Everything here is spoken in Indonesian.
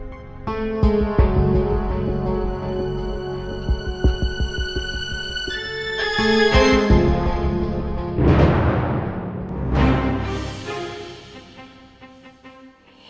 kalau mereka bisa mereka hidup sama aku